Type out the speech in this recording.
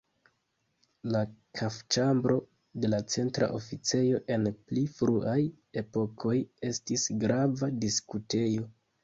La kafĉambro en la Centra Oficejo en pli fruaj epokoj estis grava diskutejo.